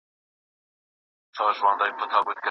نه خندا د چا پر شونډو باندي گرځي